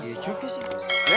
ya cukup sih